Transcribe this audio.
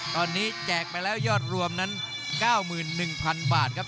ตอนนี้แจกไปแล้วยอดรวมนั้น๙๑๐๐๐บาทครับ